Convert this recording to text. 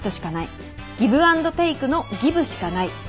ギブ・アンド・テークのギブしかない。